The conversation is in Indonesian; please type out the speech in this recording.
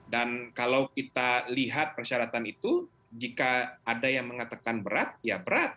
dan kalau kita lihat persyaratan itu jika ada yang mengatakan berat ya berat